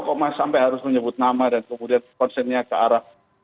kok mas sampai harus menyebut nama dan kemudian konsennya ke arah